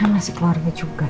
kan masih keluarga juga ya